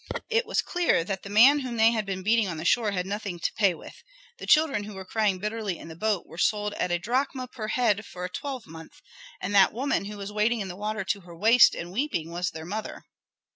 It was clear that the man whom they had been beating on the shore had nothing to pay with. The children who were crying bitterly in the boat were sold at a drachma per head for a twelvemonth, and that woman who was wading in the water to her waist and weeping was their mother.